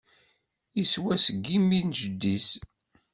Iswa seg imi n jeddi-s.